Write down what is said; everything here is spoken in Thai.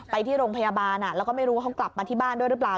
ไปที่โรงพยาบาลแล้วก็ไม่รู้ว่าเขากลับมาที่บ้านด้วยหรือเปล่า